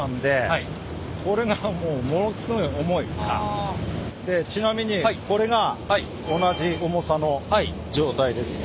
あれちなみにこれが同じ重さの状態です。